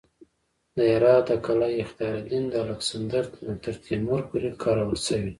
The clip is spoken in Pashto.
د هرات د قلعه اختیارالدین د الکسندر نه تر تیمور پورې کارول شوې